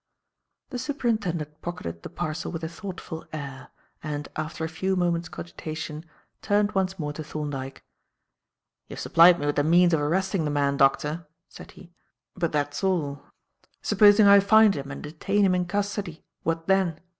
The Superintendent pocketed the parcel with a thoughtful air, and, after a few moments' cogitation, turned once more to Thorndyke. "You've supplied me with the means of arresting the man, Doctor," said he, "but that's all. Supposing I find him and detain him in custody? What then?